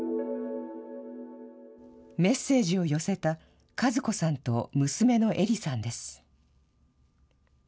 メッセージを寄せた和子さんと娘のえりさんです。